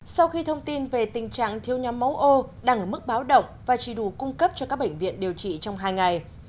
sau khi thông tin về tình trạng thiếu nhóm máu ô đang ở mức báo động và chỉ đủ cung cấp cho các bệnh viện điều trị trong hai ngày